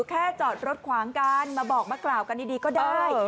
จอดรถขวางกันมาบอกมากล่าวกันดีก็ได้